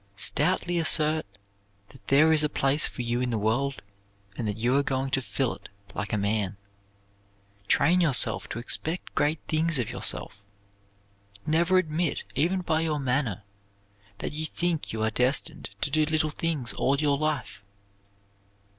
Stoutly assert that there is a place for you in the world, and that you are going to fill it like a man. Train yourself to expect great things of yourself. Never admit, even by your manner, that you think you are destined to do little things all your life.